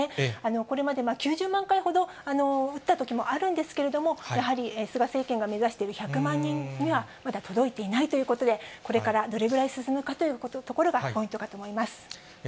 これまで９０万回ほど打ったときもあったんですけれども、やはり菅政権が目指している１００万人には、まだ届いていないということで、これからどれくらい進むかというところがポイントかと思います。